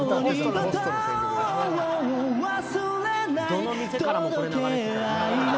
どの店からもこれ流れてた。